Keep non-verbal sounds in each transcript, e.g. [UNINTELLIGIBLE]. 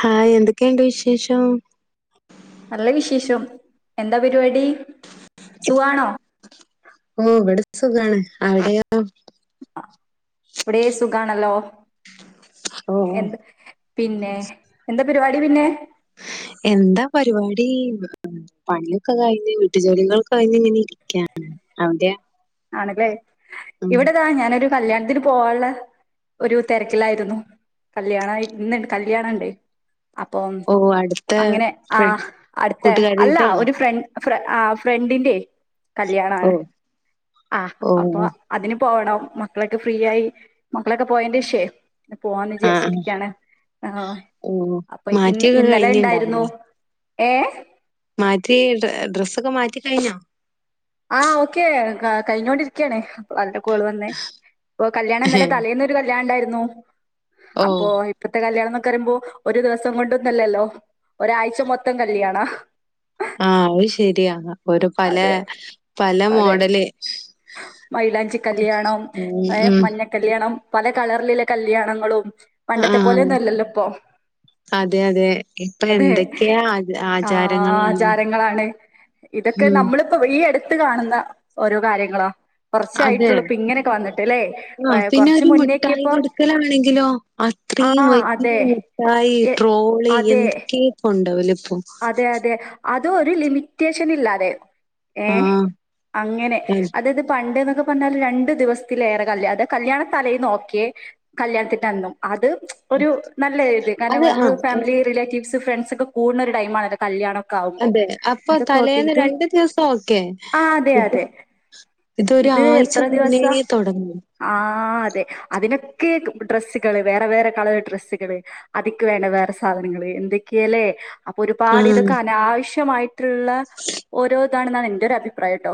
Hi എന്തൊക്കെയുണ്ട് വിശേഷം നല്ല വിശേഷം എന്താ പരിപാടി സുആണോ ഓ ഇവിടെ സുഖാണ് ആവിടെയോ ഇവിടെ സുഖാണല്ലോ ഓ എന്ത് പിന്നെ എന്താ പരിപാടി പിന്നെ എന്താ പരിപാടി പണിയൊക്കെ കഴിഞ്ഞ് വീട്ടുജോലികൾ കഴിഞ്ഞ് ഇങ്ങനെ ഇരിക്കയാണ് അവിടെയാ ആണല്ലേ ഉം ഇവിടതാ ഞാനൊരു കല്യാണത്തിന് പോവാനുള്ള ഒരു തിരക്കിലായിരുന്നു കല്യാണായ് കല്യാണ ഇണ്ടേ അപ്പം ഓ അടുത്ത അങ്ങനെ ഫ്ര ആ അടുത്ത അല്ല കൂട്ടുകാരിയിട്ടാണോ? ഒരു ഫ്രണ്ട് ഫ്ര ആ ഫ്രണ്ടിന്റെ ഓ കല്യാണാണ് ആ ഓ അപ്പൊ അതിന് പോകണം മക്കളൊക്കെ ഫ്രീ ആയി മക്കളൊക്കെ പോയന്റെ ശ്വേ പോവാന്ന് ആഹ് ആഹ് വിചാരിച്ചിരിക്കയാണ് ആഹ് ഓ അപ്പൊ ഇന്ന് മാറ്റിയൊക്കെ ഇന്നലെ ഇണ്ടായിരുന്നു കഴിഞ്ഞിണ്ടാവില്ലേ? ഏ മാറ്റി ഡ്രസ്സൊക്കെ മാറ്റി കഴിഞ്ഞോ ആഹ് ഓക്കെ കഴിഞ്ഞോണ്ടിരികയാണ് അപ്പോളാ കോൾവന്നേ ഓ കല്യാണം ഇന്നലെ തലെന്നൊരു കല്യാണം ഉണ്ടായിരുന്നു ഓ [INAUDIBLE] അപ്പൊ ഇപ്പഴത്തെ കല്യാണമ്ന്ന് വരുമ്പോ ഒരു ദിവസം കൊണ്ടൊന്നല്ലല്ലോ ഒരാഴ്ച മൊത്തം കല്യാണ ആഹ് അത് ശരിയാ ഒരു പല അതെ പല അതെ മോഡല് മൈലാഞ്ചി കല്യാണം ഉം ഏ ഉം മഞ്ഞക്കല്യാ ണം പല കളറിലെ കല്യാണങ്ങളും പണ്ടത്തെ ആഹ് പോലെയൊന്നുല്ലല്ലോപ്പം അതെ അതെ ഇപ്പൊ അതെ എന്തൊക്കെയാ ആച- ആഹ് ആചാരങ്ങളാണ് ആചാരങ്ങളാണ് ഇതൊക്കെ ഉം നമ്മളിപ്പോ ഈയട് ട്ട് കാണുന്ന ഓരോ കാര്യങ്ങളോ അതെ ആ പിന്നെ കുറച്ച് ഒരു മിട്ടായി മുന്നേക്കിപ്പം കൊടുക്കലാണെങ്കിലോ ആ അത്രയും വലിയ അതെ മുഠായി എ ട്രോളി അതെ എന്തൊക്കെ കൊണ്ടോവല് അതെ അതെ അ ത് ഒരു ലിമിറ്റേഷനില്ലാതെ ഏഹ് ആഹ് അങ്ങനെ അത് അതത് പണ്ട് ക്കെ പർഞ്ഞാലും രണ്ട് ദിവസത്തിലേറെ കല് കല്യാണ തലെന്ന് ഒക്കെ കല്യാണത്തിന്റന്നും അത്‌ ഒരു നല്ല ഇത് കാരണം അത് നമ്മള് ആഹ് ഫാമിലി റിലേറ്റീവ്സ് ട്ട് ഫ്രണ്ട്സ് ഒക്കെ കൂട്ണൊര് ടൈം ആണത് കല്യാണം അതെ അപ്പൊ തലേന്ന് രണ്ടു ദിവസം ഓക്കെ ആ അതെ ഇത് അതെ ഇത് ഇതൊരാഴ്ച എത്ര മുന്നേ തൊടങ്ങും തെ അതിനൊക്കെ ഡ്രസ്സുകള് വേറെ വേറെ കളർ ഡ്രെസ്സുകള് അതിക്ക് വേണ്ട വേറെ സാധനങ്ങള് എന്തൊക്കെ ല്ലേ അപ്പൊ ഒരുപാട് ആഹ് ഇതൊക്കെ അനാവശ്യ മായിട്ട് ത്തിലുള്ള ഓരോ അതാണന്നുയാണ് എന്റെ ഒരു അഭിപ്രായം ട്ടോ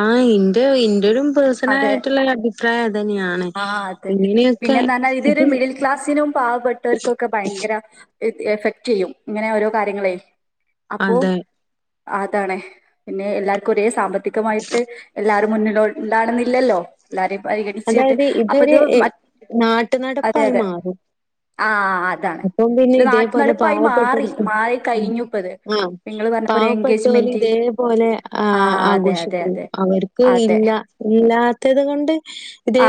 ആ എന്റെ എന്റെയും പേഴ്സണൽ അതെ ആയിട്ടുള്ള അഭിപ്രായം അതുതന്നെയാണ് ആ അതെ ഇങ്ങനെയൊക്കെ പിന്നെന്ന് പറഞ്ഞാൽ ഇതൊരു ഇത് മിഡിൽ ക്ലാസ്സിനും ഇത് എഫക്ട് ചെയ്യും ഇങ്ങനെ ഓരോ കാര്യങ്ങളേ അതെ അതാണ് പിന്നെ എല്ലാവർക്കും ഒരേ സാമ്പത്തി മായിട്ട് എല്ലാവർ മുന്നിലോ ഉണ്ടാണുന്നില്ലല്ലോ എല്ലാരും അതായത് ഇതൊരു അതെ നാട്ടുനടപ്പായി അതെ മാറും ആഹ് അതാണ് അപ്പം പിന്നെ ഒരു നാട്ടു ഇതേപോലെ നടപ്പായി പാവപ്പെട്ട മാറി മാറി ഉം കഴിഞ്ഞു ഇപ്പത് ആ നിങ്ങള് പറഞ്ഞ പോലെ പാവപെട്ടനൊന്നും എൻഗേജ്മെന്റ് ഇതേപോലെ ആ അതെ അതെ ആഘോഷിക്കും അതെ അവർക്ക് അതെ ഇല്ല ഇല്ലാത്തത് കൊണ്ട്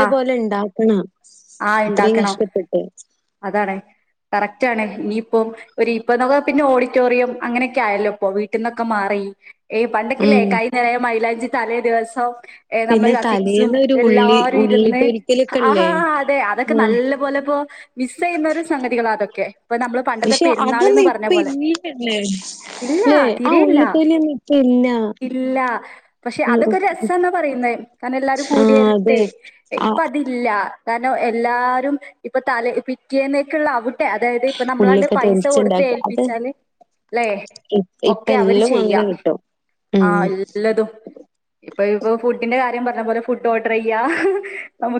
ആ ഉണ്ടാക്കണം ആ അത്രയും ഇണ്ടാക്കണം കഷ്ടപ്പെട്ട് അതാണ്. കറക്റ്റാണ്. ഇനിയിപ്പം ഒരു ഇ [UNINTELLIGIBLE] പിന്നെ ഓഡിറ്റോറിയം അങ്ങനെയൊക്കെ ആയല്ലോ ഇപ്പൊ വീട്ടിൽ നിന്നൊക്കെ മാറി യ് പണ്ടൊക്കെ അല്ലെ ഉം കൈ നിറയെ മൈയിലാഞ്ചി തല്ലേ ദിവസവും ഏ നമ്മുടെ പിന്നെ കസിൻസും തലേന്നൊരു ഉള്ളി എല്ലാരും ഉള്ളി ഇരുന്ന് പൊരിക്കലൊക്കെ ആ ഇല്ലേ? അതെ അതൊക്കെ ഉം നല്ല പോലെ ഇപ്പോ മിസ് ചെയ്യുന്നൊരു സംഗതികളാ അതൊക്കെ ഇപ്പൊ നമ്മള് പണ്ടത്തെ പക്ഷെ പെരുന്നാൾ അന്ന് അതൊന്നും ഇപ്പ പറഞ്ഞ പോലെ ഇല്ലല്ലേ? ഇല്ല ല്ലേ ആ തിരിയില്ല ഉള്ളിത്തൊലിയൊന്നും ഇപ്പ ഇല്ല. ഇല്ല പക്ഷെ അതൊക്കെ രസന്നാ പറയുന്നേ കാരണം എല്ലാരും ആ അതെ. കൂടിരട്ടെ ആ ഇപ്പൊ അതില്ല കാരണം എല്ലാരും ഇപ്പൊ തലെ പിറ്റേന്നേക്കുള്ള ആവും അതായത് ഇപ്പൊ നമ്മളാണ്ട് ഉള്ളിയൊക്കെ പൈസ കൊടു തൊലിച്ചുണ്ടാക്ക അത് ഏൽപ്പിച്ചാൽ അല്ലെ ഇ ഇപ്പ ഒക്കെ അവര് എല്ലും ചെയ അങ്ങനെ കിട്ടും. ആ ഉം എല്ലാതും ഇപ്പ ഇപ്പ ഫുഡ്‌ ന്റെ കാര്യം പറഞ്ഞ പോലെ ഫുഡ് ഓർഡർ ചെയ്യ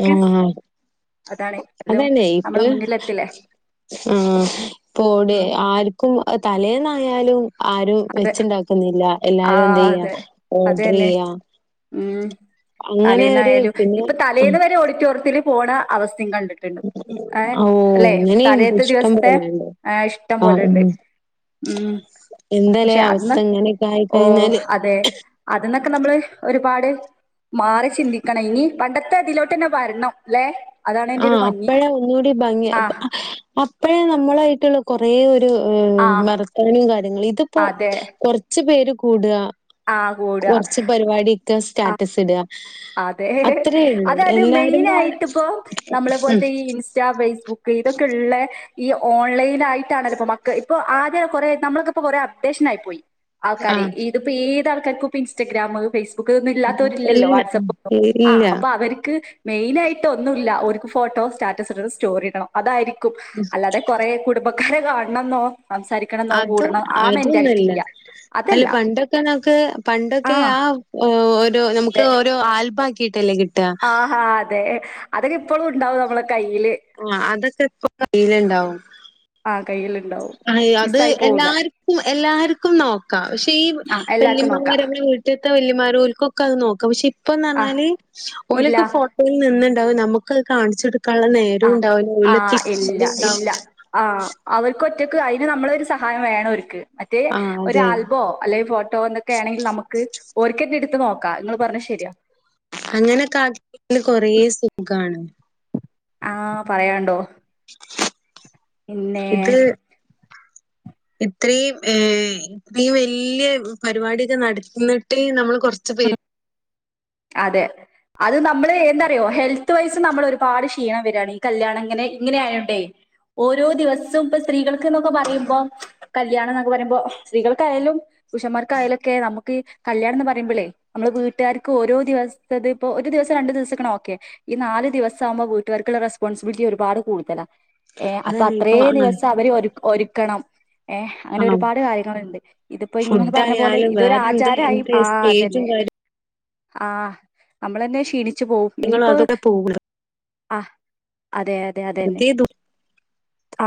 ആ അത് എല്ലോം അതന്നെ ഇപ്പ നമ്മളെ മുന്നിലെത്തില്ലേ. ആ ഇപ്പവിടെ ഉം ആരും ക്കും തലേന്നായാലും ആരും അതെ വെച്ചുണ്ടാക്കുന്നില്ല എല്ലാരും ആഹ് എന്തെയ്യാ അതെ. ഓർഡർ അതന്നെ. ചെയ്യാ ഉം അങ്ങനെ ഒരു പിന്നെ വെന്ന് വേരെ ഓഡിറ്റൊറിയാ ത്തിൽ പോണ അവസ്ഥ യും കണ്ടിട്ടുണ്ട് ഏ ഓ അല്ലെ അങ്ങനെയുണ്ട് തലേത്തെ ഇഷ്ടം ദിവസത്തെ പോലെണ്ട് ആ ഇഷ്ടം പോലെ ഉണ്ട് ഉ എന്തല്ലേ അവസ്ഥ ഇങ്ങനെയൊക്കെ ആയി കഴിഞ്ഞാല് അന്നക്കെ നമ്മള് ഒരുപാട് മാറി ചിന്തിക്കണം ഇനി പണ്ടത്തെ ഇതിലോട്ട്ന്നെ വരണം ല്ലെ അതാണ് ആ അയിന്റെ ഒരു ഭംഗി അപ്പഴെ ഒന്നുകൂടി ഭംഗി ആഹ് അപ്പഴേ നമ്മളായിട്ടുള്ള കൊറേ [UNINTELLIGIBLE] ആഹ് മറക്കാനും കാര്യങ്ങളും ഇത്പ്പൊ അതെ കൊറച്ച് പേര് കൂടാ ആഹ് കൂടുക കൊറച്ച് പരിപാടി സ്റ്റാറ്റസ് ഇട അതേ അതായത് എല്ലാരും പാടെ മെയിനായിട്ടിപ്പോ നമ്മളെ ഉം പോലത്തെ ഈ ഇൻസ്റ്റ ഫേസ്ബുക്ക് ഇതൊക്കെള്ളെ ഈ ഓൺലൈനായിട്ടാണല്ലപ്പൊ മക്ക ഇപ്പൊ ആകെ കൊറേ നമ്മളൊക്കിപ്പൊ കൊറേ അപ്ഡേഷൻ ആയി പോയി ആൾക്കാര് ആഹ് ഇതിപ്പോ ഏത ൾക്കാർക്കിപ്പൊ ഇൻസ്റ്റഗ്രാമ് ഫേസ് ബുക്ക്ന്ന്ല്ലാത്തരില്ലല്ലോ ഇല്ല വാട്സ്ആപ്പ് ആ ഇല്ല അപ്പ അവർക്ക് [UNINTELLIGIBLE] മെയിനായിട്ട് ഒന്നൂല്ല ഒരുക്ക് ഫോട്ടോ സ്റ്റാറ്റസ് ഇടണം സ്റ്റോറി ഇടണം അതായിരി ക്കും അല്ലാതെ കൊറേ കുടുംബ ക്കാരെ കാണണന്നോ അത് അതൊന്നുല്ല ഇല്ല അല്ല അതല്ല പണ്ടൊക്കെ നമ്മ്ക്ക് പണ്ടൊക്കെ ആ ഒരു നമുക്ക് ഓരോ ആൽബ ക്കീട്ടല്ലേക്കി ആഹ് ഹാ അതെ അതൊക്കെ ഇപ്പോളും ഇണ്ടാവും നമ്മളൊ ആ അതൊക്കെപ്പ കയ്യിലിണ്ടാവും ആ കയ്യില് അ അത് എല്ലാര്ക്കും എല്ലാര്ക്കും നോക്കാം പക്ഷെ ഈ ആഹ് എല്ലാർക്കും നോക്കാ വല്യമ്മമാരക്ക വീട്ടില്ത്തെ വെല്യമ്മാര് ഓര്ക്കൊക്കഅത് നോക്കാം പക്ഷെ ആഹ് ഇപ്പന്താന്നാല് ഇല്ല ഓരൊക്കെ ഫോട്ടോയിൽ നിന്ന്ണ്ടാവും നമ്മക്ക് കാൺച്ചൊട് കള്ള നേരു ആഹ് ഇണ്ടാവലോ ഉള്ളില് ആഹ് ഇല്ല [UNINTELLIGIBLE] ഒറ്റയ്ക്ക് അയിന് നമ്മളെ ഒരു സഹായം വേണം ഓര്ക്ക് മറ്റേ ആ ഒരു അതെ ആൽബോ അല്ലെ ഫോട്ടോ എന്നൊക്കെ ആണെങ്കിൽ നമുക്ക് ഓര്ക്ക് എട് നോക്കാ ങ്ങള് പറഞ്ഞ ശരിയാ അങ്ങനെക്കെ ആക്കില് കൊറേ സുഖാണ് ആ പറയാണ്ടോ പിന്നെ ഇത്രീം ഏയ് ഇപ്പ ഈ വല്ല്യ പരിപാടൊക്കെ നടക്കുന്നട്ട് നമ്മൾ കൊറച്ച്പേര് അതെ അത് നമ്മള് എന്താറിയോ ഹെൽത്ത് വൈസ് നമ്മൾ ഒരുപാട് ക്ഷീണം വരാണ് ഈ കല്യാണം ഇങ്ങനെ ഇങ്ങനെ ആയോണ്ടേ ഓരോ ദിവസവും ഇപ്പ സ്ത്രീകൾക്ക് എന്നൊക്കെ പറയുമ്പോ കല്യാണം ന്നൊക്കെ പറയുമ്പോ സ്ത്രീകൾക്കായാലും പുരുഷന്മാർക്കായാലും ഒക്കെ നമ്മുക്ക് കല്യാണം എന്ന് പറയുമ്പളെ നമ്മള് വീട്ടാര് ക്ക് ഓരോ ദിവസ്തത് ഇപ്പോ ഒരു ദിവസം രണ്ട് ദിവസക്കണ ഓക്കെ ഈ നാല് ദിവസാകുമ്പോ വീട്ട്കാർക്ക്ള്ള റെസ്പോൺസിബിലിറ്റി ഒരുപാട് കൂടുതലാ ഏഹ് അപ്പൊ അതന്നെ അത്രേ ഇപ്പൊ ദിവസം അവര് ഒരു ഒരു ക്കണം ഏഹ് അങ്ങനെ ആ ഒരുപാട് കാര്യങ്ങളുണ്ട് ഇതിപ്പോ ഇങ്ങള് ഫുഡ് പറഞ്ഞ പോലെ ആയാലും ഇതൊരു വേറെ എന്ത് ആചാരായി എന്ത് ആ സ്റ്റേജും അതന്നെ ആഹ് നമ്മളെന്നെ ക്ഷീണി നിങ്ങൾ അതൊക്കെ പോവുല്ല ആഹ് അതെ അതെ അതെന്നെ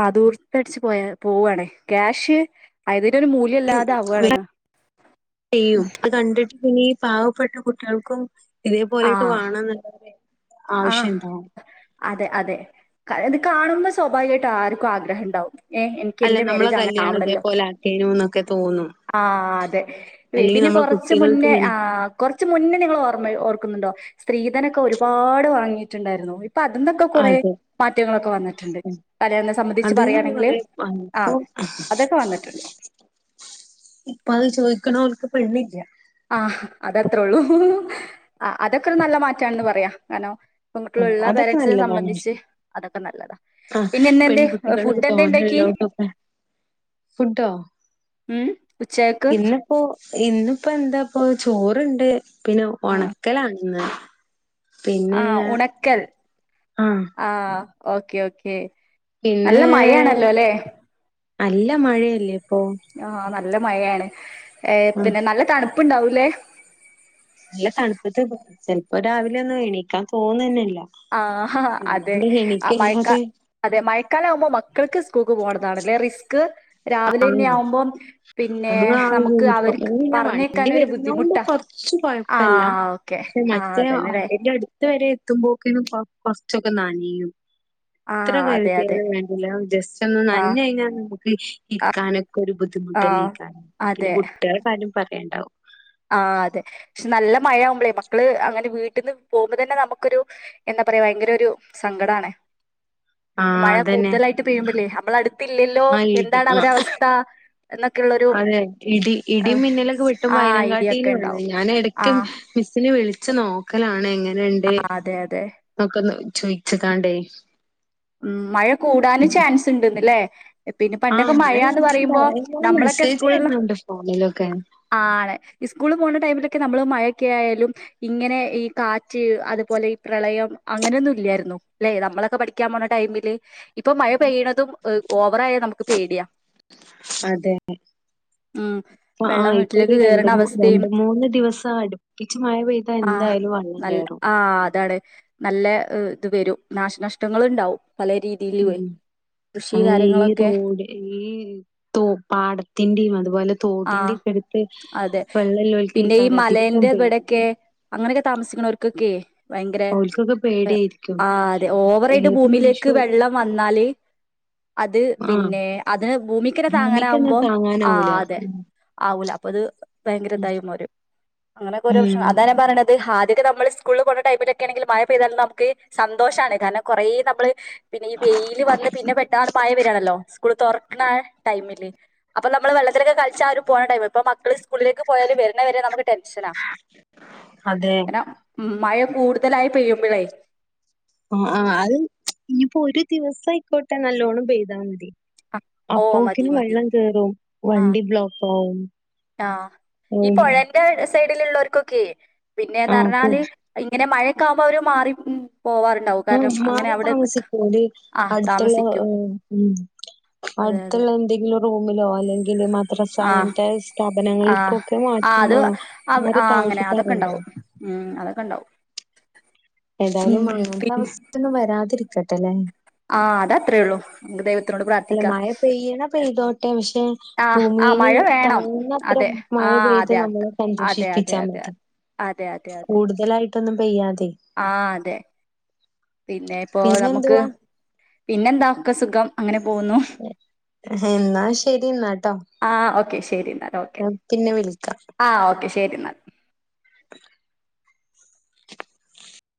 ആ ദൂർത്ത് അടിച്ച് പോയാ പോവാണേ ക്യാഷ് ഐതിൻ ഇൻ വെരും ചെയ്യും അത് കണ്ടിട്ട് ഇ പാവപ്പെട്ട കുട്ടികൾക്കും ഇതേ പോലെയൊക്കെ ആഹ് വാണ എന്ന് ആഹ് അതെ അതെ ക അത് കാണുമ്പോ സ്വാഭാവികയിട്ട് ആർക്കും ആഗ്രഹം ഇണ്ടാവും ഏ എനിക്ക് അല്ല ഇന്റെ നമ്മളെ മാരേജ് അങ്ങനെ കല്യാണം ആവണല്ലോ ഇതേപോലെ ആക്കേനു എന്നൊക്കെ തോന്നും ആഹ് അതെ അല്ലെങ്കിൽ പിന്നെ നമ്മളെ കൊറച്ച് കുട്ടികൾക്ക് മുന്നേ ഇങ്ങനെ കുറച്ച് ച്ച് മുന്നേ നിങ്ങൾ ഓർമ്മ ഓർക്കുന്നുണ്ടോ സ്ത്രീധനൊക്കെ ഒരുപാ ട് വാങ്ങിട്ടുണ്ടായിരുന്നു അപ്പൊ അതിന്നൊക്കെ കുറെ അതെ മാറ്റങ്ങളൊക്കെ വന്നിട്ടുണ്ട്. ഉം. കലെന്ന് സംബന്ധിച്ച് അതിൽ നിന്ന് പറയുകയാണെങ്കില് കുറെ ആ ഇപ്പൊ അതൊക്കെ വന്നിട്ടുണ്ട്. ഇപ്പൊ അത് ചോദിക്കണവർക്ക് പെണ്ണില്ല. ആഹ് അതത്രേയള്ളൂ ആ അതൊക്കെരു നല്ല മാറ്റാണെന്ന് പറയാം കാരണം ആ പെൺകുട്ടികളുള്ള അതൊക്കെ പേരൻസിനെ നല്ലതാണ് സംബന്ധിച്ച് അതൊക്കെ നല്ലതാ ആ പിന്നെ ഇന്ന് എന്തേ പെൺകുട്ടികൾ ഫുഡ് എന്തേ ഉണ്ടാക്കി തോന്നലുള്ളണ്ട്, ഫുഡോ ഉം ഉച്ചക്ക് ഇന്നപ്പോ ഇന്നിപ്പോ എന്താ ഓ ചോറണ്ട്, പിന്നെ ആ ഉണക്കലാണ് ഇന്ന് പിന്നെ ക്കൽ ആഹ് ആ ഓക്കെ ഓക്കേ. നല്ല പിന്നെ മഴയാണല്ലോ അല്ലെ? നല്ല മഴയല്ലേ ഇപ്പൊ ആഹ് ന ല്ല മഴയാണ്. എ ആഹ് പിന്നെ നല്ല തണു പ്പ്ണ്ടാവുല്ലേ നല്ല തണുപ്പത്ത് ചെൽപ്പം രാവിലൊന്നും എണീക്കാൻ തോന്നന്നെല്ല ആഹ അതെ ഇല്ലാണ്ട് ആ മഴക്കാ എണീക്കല്ലാതെ അതെ മഴക്കാലാകുമ്പോ മക്കൾക്ക് സ്കൂൾക്ക് പോണം അതാണല്ലേ റിസ്ക് ക് രാവിലന്നെ ആവുമ്പം പിന്നെ നമുക്ക് [UNINTELLIGIBLE] അവർക്ക് വണ്ടി പറഞ്ഞേക്കാൻ ഒരു വരുന്നോണ്ട് ബുദ്ധിമുട്ടാ കൊർച്ച് കൊഴപ്പല്ല ആഹ് ഓക്കെ ക്ഷെ ആഹ് നചേ അതന്നെല്ലേ വണ്ടിന്റെ അട്ത്ത് വരെ എത്തുമ്പോ കെന്നും കൊ കൊർച്ചൊക്കെ നനയും എത്ര ആഹ് അതെ അതെ കരുതിയാലും വേണ്ടില്ല ജസ്റ്റ് ഒന്ന് ആഹ് നൻഞ്ഞഴിഞ്ഞാൽ [UNINTELLIGIBLE] ആഹ് ഇക്കാനൊക്കെരു ബുദ്ധിമുട്ട ആഹ് ട്ടലയ്ക്കാരം പിന്നെ കുട്ട്യേളെകാര്യം പർ ണ്ടാവും ആ അതെ ക്ഷെ നല്ല മഴകുമ്പളേ മക്കള് അങ്ങനെ വീട്ട്ന്ന് പോവുമ്പ തന്നെ നമുക്കൊരു എന്താ പറയാ ഭയങ്കരൊരു സങ്കടാണ് ആ മഴ അതന്നെ കൂടുതലായിട്ട് പെയ്യുമ്പല്ലേ നമ്മളട്ത്തില്ലല്ലോ ആ ഇടി എന്താണ് ആ അവരെ അവസ്ഥ എന്നൊക്കെയുള്ളൊരു അതെ ഇടി ഇടി ഏഹ്, മിന്നലൊക്കെ വിട്ടുമ്പോ ആ അയിനേംകാ ഐഡിയ ഒക്കെ ട്ടിലാണ് ഉണ്ടാവും ഞാൻ എടക്ക് ആഹ് മിസ് ഇനി വിളിച്ച് നോക്കലാണ് എങ്ങ രണ്ട് അതെ അതെ നോക്ക് ഒന്ന് ചോയിച്ചതാണ്ടേ. ഉം മഴ കൂടാനും ചാൻസ് ഇണ്ട് ഇന്ന് ല്ലേ പിന്നെ ആ പണ്ടൊക്കെ മഴ മഴയാന്ന് പറയുമ്പോ ഇങ്ങനെ നമ്മളൊക്കെ മെസ്സേജ് സ്കൂളന്ന് വരുന്നുണ്ട് ഫോണിലൊക്കെ ആണ് ഇസ്കൂളിൽ പോണ ടൈമില നമ്മൾ മഴയൊക്കെ ആയാലും ഇങ്ങനെ ഈ കാ റ്റ് അതുപോലെ ഈ പ്രളയം അങ്ങനെയൊന്നും ഇല്ലായിരുന്നു അല്ലേ നമ്മളൊക്കെ പഠിക്ക പഠിക്കാൻ പോണ ടൈമില് ഇപ്പൊ മഴ പെയ്യുന്നതും [UNINTELLIGIBLE] [UNINTELLIGIBLE] നമുക്ക് പേടിയ അതെ ഉം ഇപ്പൊ ആ വെള്ളം ഇപ്പൊ ഒരു വീട്ടിലേക്ക് രണ്ട് കയറുന്ന മൂ അവസ്ഥയും രണ്ട് മൂന്ന് ദിവസം അടുപ്പിച്ച് മഴ പെയ്താ ആഹ് എന്തായാലും വെള്ളം കയറും ആഹ് അതാണ് നല്ല ഇത് വരൂ നാശനഷ് [UNINTELLIGIBLE] ഉണ്ടാവും പല ഉം രീതിയിലുവേ കൃഷി അത് ഈ കാര്യങ്ങളൊക്കെ തോട് ഈ തോ പാടത്തിന്റെയും അതുപോലെ തോട്ടിന്റെ ആഹ് ഒക്കെ അടുത്ത് അതെ പിന്നെ [UNINTELLIGIBLE] അധികം പേ താമസിക്കുന്നവർക്കൊക്കെ ഭയങ്കര പേടിയായിരിക്കും. ആഹ് അതെ ഓവ [UNINTELLIGIBLE] ഏത് ഭൂമിയിലേക്ക് നിമിഷവും വെള്ളം വന്നാല് അത് ആഹ് പിന്നെ അത് ഭൂമിക്കന്നെ ഭൂമിക്കെന്നെ താങ്ങാനാവുമ്പോ ആ താങ്ങാനാവൂല. അതെ ഉം ആവൂല പ്പത് അ [UNINTELLIGIBLE] ഭയങ്കരതായി മാരും അങ്ങനൊക്കെ ഒരു പക്ഷെ ഉം. അതാ ഞാ പറയ്ണെ ഹത് ഹാദ്യയൊക്കെ നമ്മള് സ്കൂളിൽ പോണ ടൈമിലൊക്കെണെങ്കിൽ മഴ പെയതാലും നമുക്ക് സന്തോഷാണ് കാരണം കൊറേ നമ്മള് ഹ് പിന്നെ ഈ വൈല് വന്ന് പിന്നെ പെട്ടാന്ന് മഴ വരാണല്ലോ സ്കൂള് തുറക്കണാ ടൈമില് അപ്പൊ നമ്മള് വെള്ളത്തിലൊക്കെ കളിച്ചാ ആ പോണ ടൈം ഇപ്പോ മക്കള് സ്കൂളിലേക്ക് പോയാല് വരുന്ന വരെ നമുക്ക് ടെൻഷനാ അതെ. കാരണം ഉം മയ കൂടുതലായി പെയ്യുമ്പോഴേ മ് ആ ആയ് ഇനിയിപ്പോ ഒരു ദിവസായിക്കോട്ടെ നല്ലോണം പെയ്താ മതി ഓ മതി അപ്പോക്കിനും മതി വെള്ളം കേറും വണ്ടി ബ്ലോക്ക് ആവും ആ ഈ പുഴയിന്റ് സൈഡിലുള്ളോർ ക്കൊക്കെ പിന്നെ എന്ന് ആഹ് കൂ പറഞ്ഞാല് ക്കാവുമ്പോ അവര് മാറി ഉം പോവാറുണ്ടാവും കാരണം അങ്ങനെ അവിടെ നിക്ക താമസിക്കുണ്ട് ആ അടുത്തുള്ള താമസിക്കും ഉം അതെ അതെ അടുത്തുള്ള എന്തെങ്കിലും റൂമിലോ അല്ലെങ്കിൽ മാര് റസ ആ അങ്ങത്തെ ആ സ്ഥാപനങ്ങളിൽ ക്കൊ ക്കെ ആ മാറ്റി അത് അവ മാറി ആ അങ്ങനെ അതൊക്കെ താമസിക്കാറുണ്ട് ഉണ്ടാവും ഉം അതൊക്കെ ഉണ്ടാവും ഉം ഏതായാലും അങ്ങനത്ത പിന്നെ അവസ്ഥന്നും വരാതിരിക്ക തലേ ആ അത അത്രേള്ളൂ മ്മക്ക് ദൈവത്തിനോട് അല്ല പ്രാർത്ഥിക്കാ മഴ പെയ്യണ പെയ്തോട്ടെ പക്ഷെ ആ ആ ഭൂമീന് മഴ വേണം. താങ്ങുന്നത്ര അതെ ആ മഴ പെയ്ത് അതെ നമ്മളെ അതെതെ അതെ സന്തോഷിപ്പിച്ചാ അതെ അതെ അതെ അതെ ട്ടൊന്നും പെയ്യാതെ ആ അതെ പിന്നെ ഇപ്പോ പിന്നെ നമുക്ക് എന്തുവാ പിന്നെന്താ ഒക്ക സുഖം. അങ്ങനെ പോകുന്നു എ എന്നാ ശരിന്നാട്ടോ. ആ ഓക്കെ ശരി എന്നാൽ പിന്നെ വിളിക്കാം. ശരിന്നാ